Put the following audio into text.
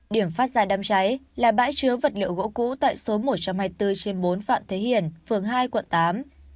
điểm phát ra đám cháy là bãi chứa vật liệu gỗ cũ tại số một trăm hai mươi bốn trên bốn phạm thế hiển phường hai quận tám